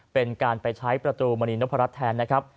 เป็นการไปใช้ประตูมณีนพรัชแทนนะครับ